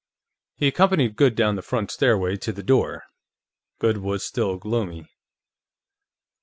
He accompanied Goode down the front stairway to the door. Goode was still gloomy.